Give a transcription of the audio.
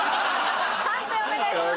判定お願いします。